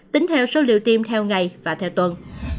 tính theo số liệu tiêm theo ngày và theo tuần